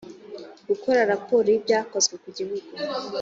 gukora raporo y‘ibyakozwe ku gihe